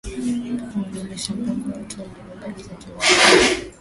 inaashiria mpango wa hatua mbalimbali za kimataifa